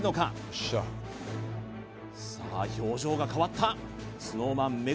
よっしゃさあ表情が変わったＳｎｏｗＭａｎ目